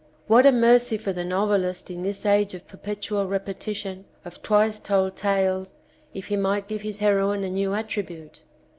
What a mercy for the novelist in this age of perpetual repetition, of twice told tales, if he might give his heroine a new attribute!